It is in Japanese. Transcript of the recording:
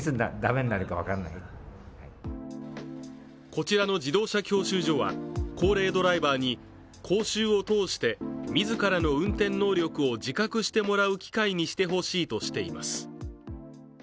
こちらの自動車教習所は高齢ドライバーに講習を通して自らの運転能力を自覚してもらう機会にしてほしいとしています